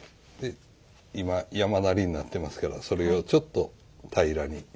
で今山なりになってますからそれをちょっと平らに。